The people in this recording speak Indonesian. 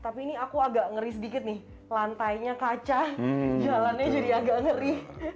tapi ini aku agak ngeri sedikit nih lantainya kaca jalannya jadi agak ngeri